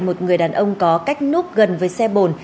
một người đàn ông có cách núp gần với xe bồn